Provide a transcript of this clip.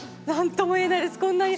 なんとも言えないです。